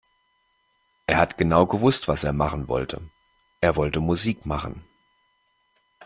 Er hat genau gewusst was er machen wollte. Er wollte Musik machen.